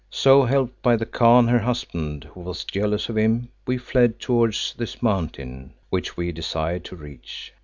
So, helped by the Khan, her husband, who was jealous of him, we fled towards this Mountain, which we desired to reach.